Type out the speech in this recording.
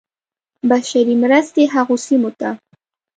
بشري مرستې هغو سیمو ته.